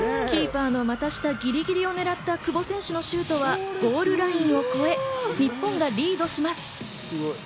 キーパーの股下ぎりぎりをねらった久保選手のシュートがゴールラインを越え、日本がリードします。